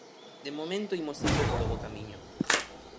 De momento imos indo polo bo camiño.